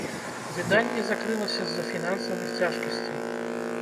Выданне закрылася з-за фінансавых цяжкасцей.